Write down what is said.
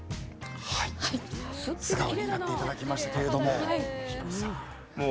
素顔になっていただきましたけれども。